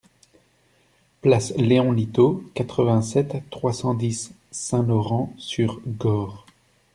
Place Léon Litaud, quatre-vingt-sept, trois cent dix Saint-Laurent-sur-Gorre